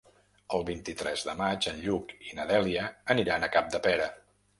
El vint-i-tres de maig en Lluc i na Dèlia aniran a Capdepera.